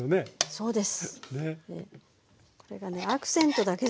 そうです。